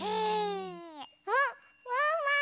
あっワンワン！